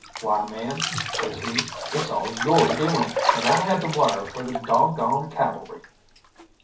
"Why, man," says he, "it's all your doing, and I had to wire for the dog gone cavalry."